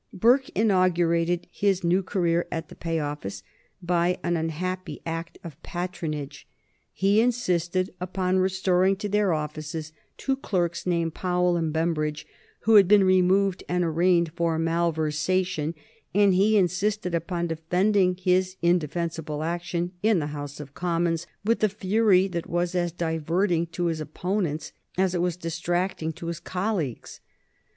Burke inaugurated his new career at the Pay Office by an unhappy act of patronage. He insisted upon restoring to their offices two clerks, named Powell and Bembridge, who had been removed and arraigned for malversation, and he insisted upon defending his indefensible action in the House of Commons with a fury that was as diverting to his opponents as it was distracting to his colleagues.